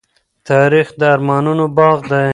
تاریخ د ارمانونو باغ دی.